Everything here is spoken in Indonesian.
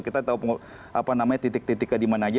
kita tahu apa namanya titik titiknya dimana aja